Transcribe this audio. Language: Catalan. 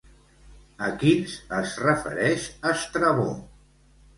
A quins es refereix Estrabó?